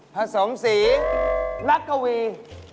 ผสมสีนักกวีนักดนตรี